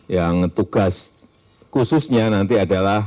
yang tugas khususnya nanti adalah